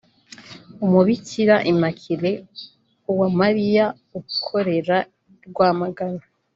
Umubikira Immaculeé Uwamariya ukorera i Rwamagana